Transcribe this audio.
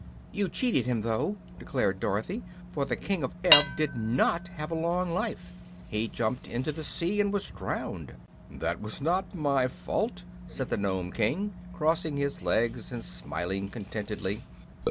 "You cheated him, though," declared Dorothy; "for the King of Ev did not have a long life. He jumped into the sea and was drowned." "That was not my fault," said the Nome King, crossing his legs and smiling contentedly.